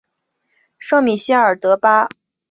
圣米歇尔德巴涅尔人口变化图示